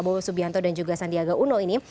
prabowo subianto dan juga sandiaga uno ini